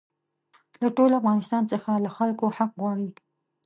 له ټول افغانستان څخه له خلکو حق غواړي.